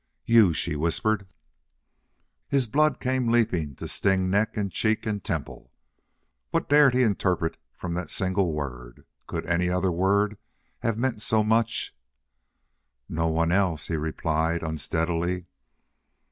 "YOU!" she whispered. His blood came leaping to sting neck and cheek and temple. What dared he interpret from that single word? Could any other word have meant so much? "No one else," he replied, unsteadily.